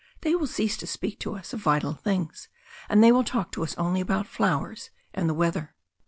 They will cease to speak to us of vital things, and they will talk to us only about flowers and the weather."